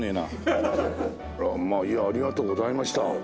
あらまあいやありがとうございました。